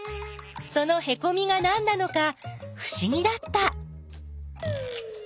そのへこみがなんなのかふしぎだった。